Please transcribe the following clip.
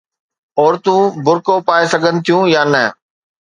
عورتون برقع پائي سگهن ٿيون يا نه.